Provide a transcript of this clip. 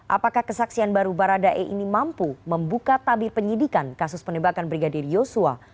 apakah kesaksian baru baradae ini mampu membuka tabir penyidikan kasus penembakan brigadir yosua